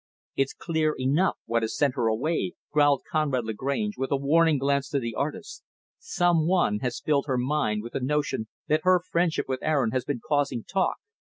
"It's clear enough what has sent her away," growled Conrad Lagrange, with a warning glance to the artist. "Some one has filled her mind with the notion that her friendship with Aaron has been causing talk.